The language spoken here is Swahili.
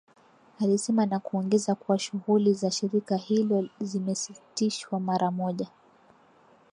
alisema na kuongeza kuwa shughuli za shirika hilo zimesitishwa mara moja